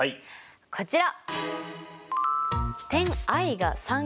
こちら！